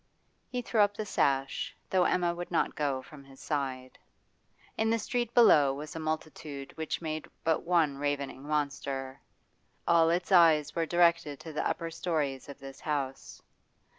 He threw up the sash, though Emma would not go from his side. In the street below was a multitude which made but one ravening monster; all its eyes were directed to the upper storeys of this house.